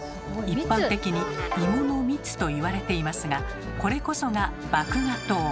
一般的に「イモの蜜」と言われていますがこれこそが麦芽糖。